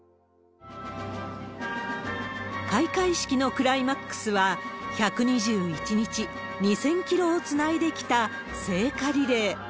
開会式のクライマックスは、１２１日２０００キロをつないできた聖火リレー。